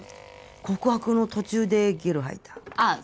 告白の途中でゲロ吐いたああ